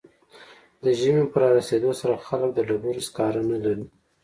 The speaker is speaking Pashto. د ژمي په رارسیدو سره خلک د ډبرو سکاره نلري